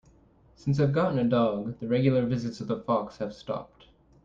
Since I've gotten a dog, the regular visits of the fox have stopped.